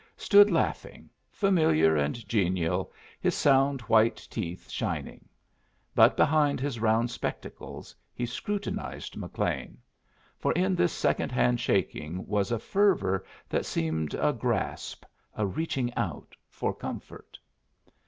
stood laughing, familiar and genial, his sound white teeth shining. But behind his round spectacles he scrutinized McLean. For in this second hand shaking was a fervor that seemed a grasp, a reaching out, for comfort.